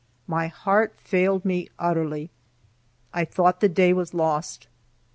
My heart failed me utterly. I thought the day was lost.